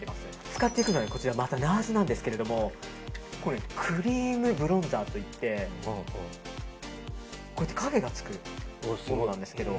使っていくのはＮＡＲＳなんですけどもクリームブロンザーといって影が作れるんです。